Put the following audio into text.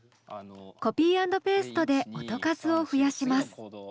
コピーアンドペーストで音数を増やします。